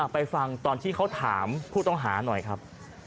ไปฟังตอนที่เขาถามผู้ต้องหาหน่อยครับ